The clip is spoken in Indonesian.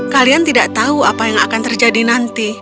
kalian tidak tahu apa yang akan terjadi nanti